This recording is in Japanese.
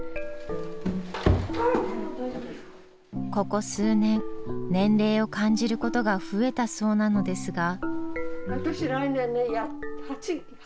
ここ数年年齢を感じることが増えたそうなのですが。